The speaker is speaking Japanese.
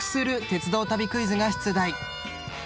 鉄道旅クイズが出題。